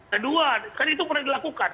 kedua kan itu pernah dilakukan